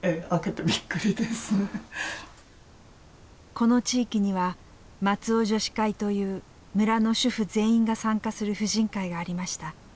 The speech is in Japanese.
この地域には松尾女子会という村の主婦全員が参加する婦人会がありました。